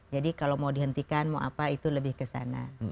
jadi kalau mau dihentikan mau apa itu lebih ke sana